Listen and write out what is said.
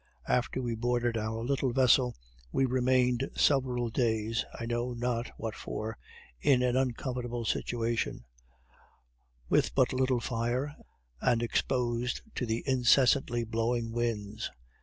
After we boarded our little vessel, we remained several days, I know not what for, in an uncomfortable situation; with but little fire, and exposed to the incessantly blowing winds.